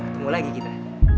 tunggu lagi kita